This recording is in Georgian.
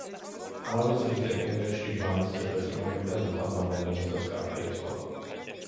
ამავე წლის დეკემბერში ვანის ციხესიმაგრიდან უკან დაბრუნებისას გარდაიცვალა.